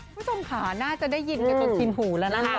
คุณผู้ชมค่ะน่าจะได้ยินกันจนชินหูแล้วนะคะ